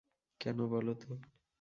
কেন বলো তো?